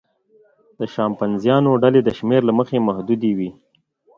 د شامپانزیانو ډلې د شمېر له مخې محدودې وي.